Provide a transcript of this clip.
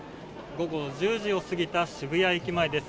午後１０時を過ぎた渋谷駅前です。